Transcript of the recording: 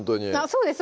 そうです